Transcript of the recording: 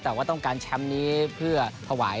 แต่ว่าต้องการแชมป์นี้เพื่อถวาย